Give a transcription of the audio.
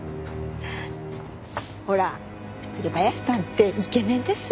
ほら紅林さんってイケメンだし。